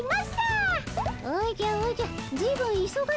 おじゃおじゃずいぶんいそがしそうじゃの。